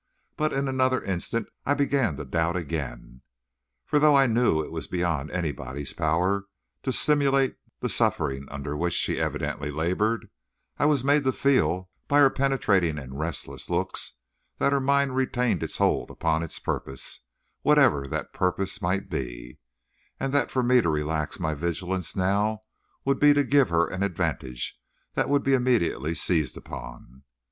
But in another instant I began to doubt again; for though I knew it was beyond anybody's power to simulate the suffering under which she evidently labored, I was made to feel, by her penetrating and restless looks, that her mind retained its hold upon its purpose, whatever that purpose might be, and that for me to relax my vigilance now would be to give her an advantage that would be immediately seized upon.